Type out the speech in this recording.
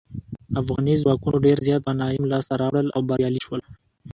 افغاني ځواکونو ډیر زیات غنایم لاسته راوړل او بریالي شول.